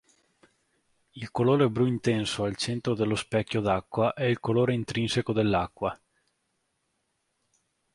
Il colore blu intenso al centro dello specchio d'acqua è il colore intrinseco dell'acqua.